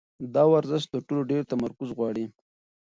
دا ورزش تر ټولو ډېر تمرکز غواړي.